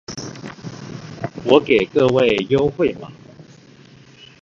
我給各位優惠碼